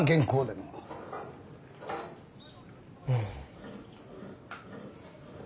うん。